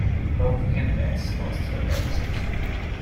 Both candidates lost their deposit.